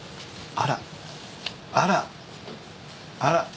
あら。